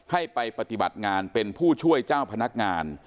ให้ไปปฏิบัติงานเป็นผู้ช่วยเจ้าพนักงาน